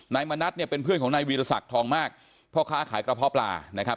มณัฐเนี่ยเป็นเพื่อนของนายวีรศักดิ์ทองมากพ่อค้าขายกระเพาะปลานะครับ